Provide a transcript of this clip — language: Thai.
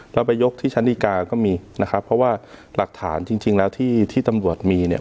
เราไปยกที่ชั้นดีกาก็มีนะครับเพราะว่าหลักฐานจริงแล้วที่ที่ตำรวจมีเนี่ย